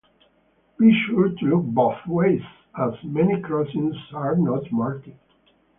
Be sure to look both ways, as many crossings are not marked.